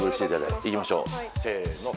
いきましょうせの。